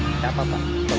ini satu kan kan